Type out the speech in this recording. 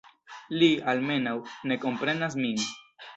Li, almenaŭ, ne komprenas min.